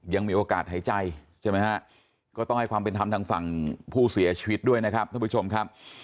ยังมีโอกาสหายใจใช่ไหมฮะก็ต้องให้ความเป็นธรรมทางฝั่งผู้เสียชีวิตด้วยนะครับท่านผู้ชมครับ